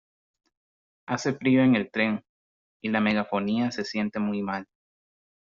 Hace frío en el tren y la megafonía se siente muy mal.